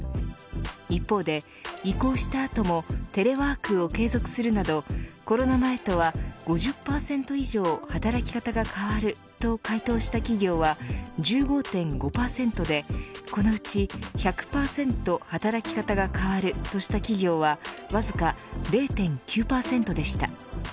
一方で、移行した後もテレワークを継続するなどコロナ前とは５０％以上働き方が変わると回答した企業は１５．５％でこのうち１００％働き方が変わるとした企業はわずか０．９％でした。